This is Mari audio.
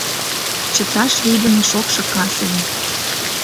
Чыташ лийдыме шокшо кас ыле.